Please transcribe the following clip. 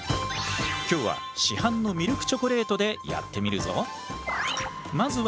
今日は市販のミルクチョコレートでやってみるぞ！